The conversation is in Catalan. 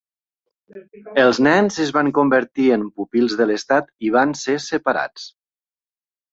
Els nens es van convertir en pupils de l'estat i van ser separats.